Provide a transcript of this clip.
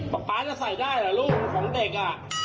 ป๊าจะใส่ได้เหรอลูกของเด็กอ่ะ